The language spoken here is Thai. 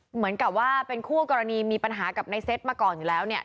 เหมือนกับว่าเป็นคู่กรณีมีปัญหากับในเซตมาก่อนอยู่แล้วเนี่ย